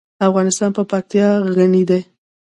افغانستان په پکتیا غني دی.